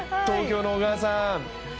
東京の小川さん。